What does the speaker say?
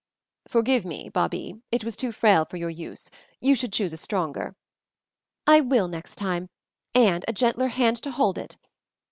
"Forgive me, Babie, it was too frail for use; you should choose a stronger." "I will next time, and a gentler hand to hold it.